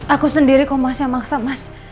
aku sendiri komnas yang maksa mas